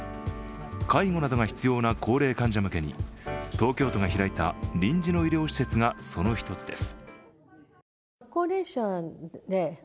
介護などが必要な高齢患者向けに東京都が開いた臨時の医療施設がそのひとつです。